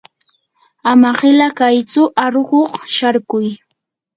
ama qila kaytsu aruqkuq sharkuy.